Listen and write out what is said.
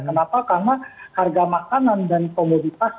kenapa karena harga makanan dan komoditas